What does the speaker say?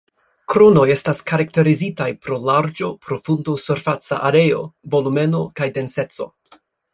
Kronoj estas karakterizitaj pro larĝo, profundo, surfaca areo, volumeno, kaj denseco.